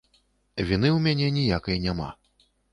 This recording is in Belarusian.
Віны ў мяне ніякай няма.